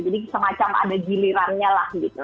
jadi semacam ada gilirannya lah gitu